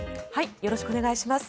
よろしくお願いします。